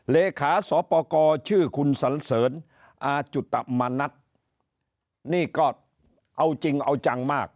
เหลขาสวปกรชื่อคุณเสริญอมนัทนี่ก็เอาจริงเอาจังมาก